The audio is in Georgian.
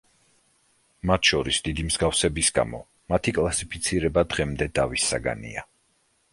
მათ შორის დიდი მსგავსების გამო მათი კლასიფიცირება დღემდე დავის საგანია.